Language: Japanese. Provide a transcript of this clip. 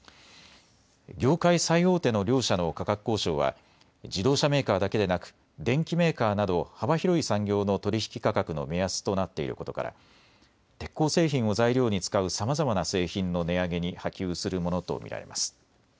業界最大手の両社の価格交渉は自動車メーカーだけでなく電機メーカーなど幅広い産業の取り引き価格の目安となっていることから鉄鋼製品を材料に使うさまざまな製品の値上げに波及するものと見られます。